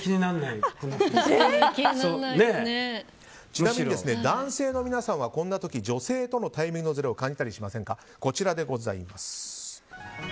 ちなみに男性の皆さんはこんな時、女性とのタイミングのずれを感じたりしませんか？